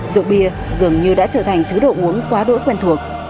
rượu bia dường như đã trở thành thứ đồ uống quá đỗi quen thuộc